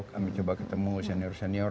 kami coba ketemu senior senior